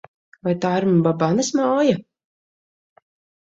Vai tā ir Mbabanes māja?